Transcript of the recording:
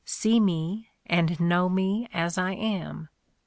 See me, and know me as I am.